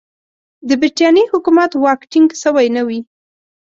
د برټانیې حکومت واک ټینګ سوی نه وي.